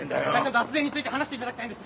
脱税について話していただきたいんです